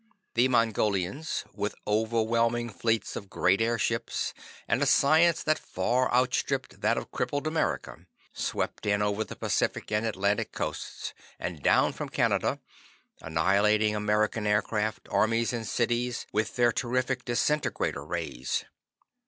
The Mongolians, with overwhelming fleets of great airships, and a science that far outstripped that of crippled America, swept in over the Pacific and Atlantic Coasts, and down from Canada, annihilating American aircraft, armies and cities with their terrific disintegrator rays.